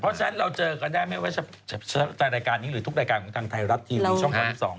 เพราะฉะนั้นเราเจอกันได้ไม่ว่าจะรายการนี้หรือทุกรายการของทางไทยรัฐทีวีช่อง๓๒